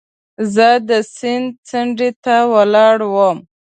زه د سیند څنډې ته ولاړ وم.